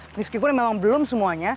meskipun memang belum semuanya